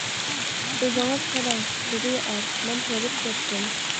-ئۆزىڭىز قىلىڭ، -دېدى ئەر، -مەن ھېرىپ كەتتىم.